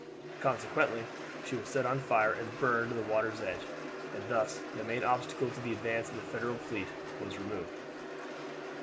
Consequently she was set on fire and burned to the water's edge, and thus the main obstacle to the advance of the Federal fleet was removed.